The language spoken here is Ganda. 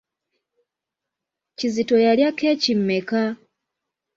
Kizito yalya keeki mmeka?